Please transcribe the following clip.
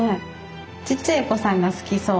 ちっちゃいお子さんが好きそう。